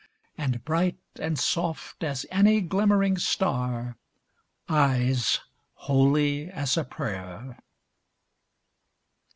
And, bright and soft as any glimmering star, Eyes holy as a prayer.